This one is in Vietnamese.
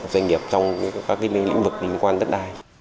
doanh nghiệp trong các lĩnh vực liên quan đất đai